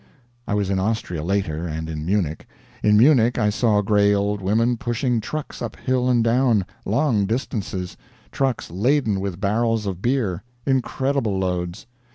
I was in Austria later, and in Munich. In Munich I saw gray old women pushing trucks up hill and down, long distances, trucks laden with barrels of beer, incredible loads.